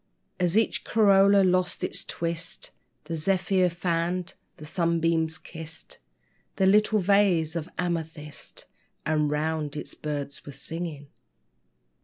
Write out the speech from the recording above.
As each corolla lost its twist, The zephyr fanned, the sunbeam kissed The little vase of amethyst; And round it birds were singing.